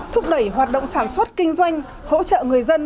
thúc đẩy hoạt động sản xuất kinh doanh hỗ trợ người dân